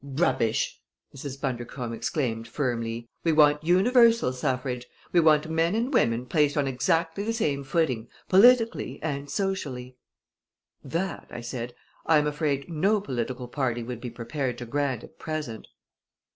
"Rubbish!" Mrs. Bundercombe exclaimed firmly. "We want universal suffrage. We want men and women placed on exactly the same footing, politically and socially." "That," I said, "I am afraid no political party would be prepared to grant at present."